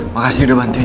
makasih udah bantuin